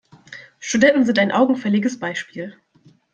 Studenten sind ein augenfälliges Beispiel.